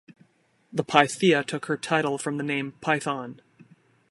The Pythia took her title from the name Python.